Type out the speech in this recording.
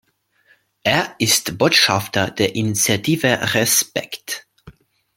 Er ist Botschafter der Initiative "Respekt!